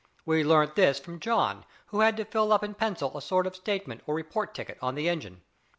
We learnt this from John, who had to fill up in pencil a sort of statement or report ticket on the engine.